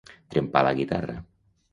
Trempar la guitarra.